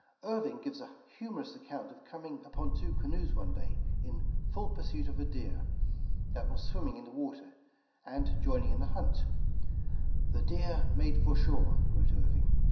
Irving gives a humorous account of coming upon two canoes one day, in full pursuit of a deer, that was swimming in the water, and joining in the hunt : The deer made for our shore," wrote Irving.